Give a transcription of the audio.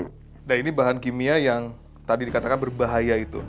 nah ini bahan kimia yang tadi dikatakan berbahaya itu